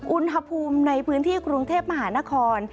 อุณหภูมิในพื้นที่กรุงเทพมหานคร